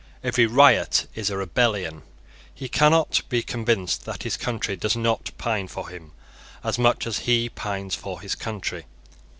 Every riot is a rebellion. He cannot be convinced that his country does not pine for him as much as he pines for his country.